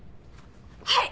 はい！